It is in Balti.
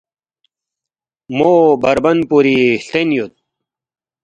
مو بربن پوری ہلتین یود